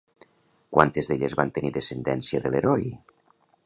Quantes d'elles van tenir descendència de l'heroi?